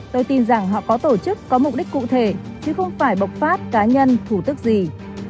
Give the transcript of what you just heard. tôi tin rằng họ có tổ chức có mục đích cụ thể chứ không phải bộc phát cá nhân thủ tức gì